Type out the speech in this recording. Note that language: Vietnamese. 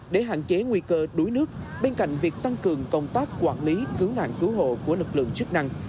để hạn chế nguy cơ đuối nước bên cạnh việc tăng cường công tác quản lý cứu nạn cứu hộ của lực lượng chức năng